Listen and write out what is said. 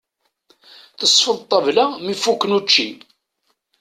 Tesfeḍ ṭabla mi fukken učči.